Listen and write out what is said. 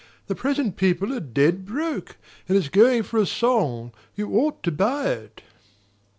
The present people are dead broke, and it's going for a song you ought to buy it."